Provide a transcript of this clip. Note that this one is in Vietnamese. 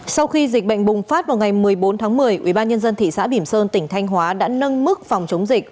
sau khi dịch bệnh bùng phát vào ngày một mươi bốn tháng một mươi ubnd thị xã bỉm sơn tỉnh thanh hóa đã nâng mức phòng chống dịch